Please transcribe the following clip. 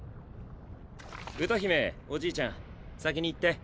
歌姫おじいちゃん先に行って。